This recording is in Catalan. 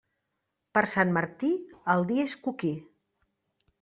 Per Sant Martí, el dia és coquí.